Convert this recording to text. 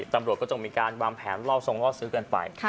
ตำรวจก็จงมีการวางแผนล่อทรงล่อซื้อกันไป